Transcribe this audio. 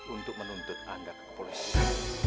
untuk menuntut anda ke kepolisian